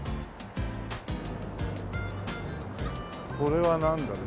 これはなんだろう？